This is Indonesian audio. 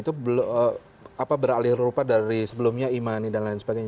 itu beralir rupa dari sebelumnya imani dan lain sebagainya